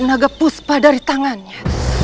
naga puspa dari tangannya